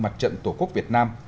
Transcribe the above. mặt trận tổ quốc việt nam